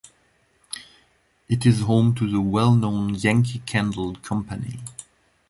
It is home to the well-known Yankee Candle Company.